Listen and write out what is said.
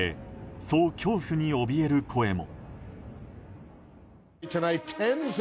そう恐怖におびえる声も。